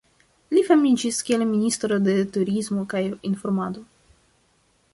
Li famiĝis kiel ministro de Turismo kaj Informado.